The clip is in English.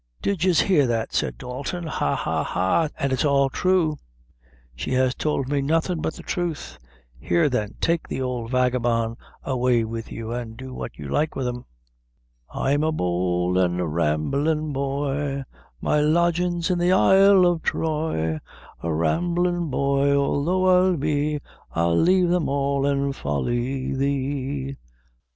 "Did yez hear that?" said Dalton; "ha, ha, ha an' it's all thrue; she has tould me nothing but the thruth here, then, take the ould vagabond away with you, and do what you like with him " "'I am a bold and rambling boy, My lodging's in the isle of Throy; A rambling boy, although I be, I'd lave them all an' folly thee.'